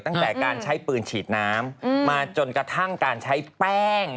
ตั้งแต่การใช้ปืนฉีดน้ำมาจนกระทั่งการใช้แป้ง